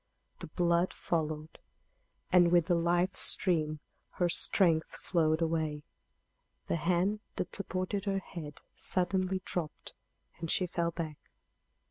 The blood followed, and with the life stream her strength flowed away. The hand that supported her head suddenly dropped, and she fell back.